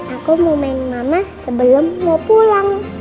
aku mau main sama mama sebelum mau pulang